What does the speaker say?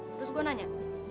terus gue nanya